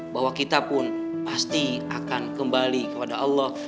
bahwa kita pun pasti akan kembali kepada allah